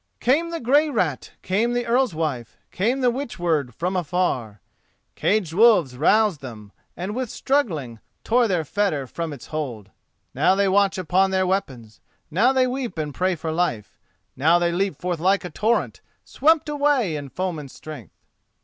"Came the Grey Rat, came the Earl's wife, Came the witch word from afar; Cag'd wolves roused them, and with struggling Tore their fetter from its hold. Now they watch upon their weapons; Now they weep and pray for life; Now they leap forth like a torrent— Swept away is foeman's strength!